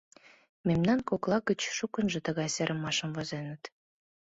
Мемнан кокла гыч шукынжо тыгай серымашым возеныт.